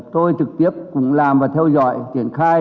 tôi trực tiếp cũng làm và theo dõi triển khai